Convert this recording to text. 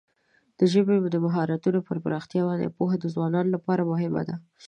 د ژبې د مهارتونو پر پراختیا باندې پوهه د ځوانانو لپاره مهمه ده.